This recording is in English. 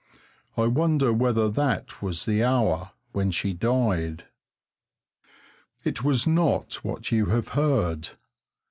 I wonder whether that was the hour when she died? It was not what you have heard.